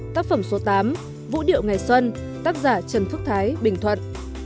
tác phẩm số tám vũ điệu ngày xuân tác giả trần phước thái bình thuận